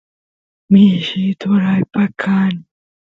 mishi turaypa kan